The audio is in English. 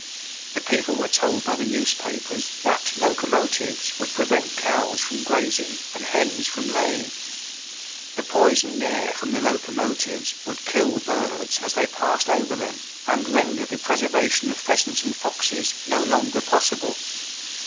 The people were told by the newspapers that locomotives would prevent cows from grazing and hens from laying. The poisoned air from the locomotives would kill birds as they passed over them, and render the preservation of pheasants and foxes no longer possible.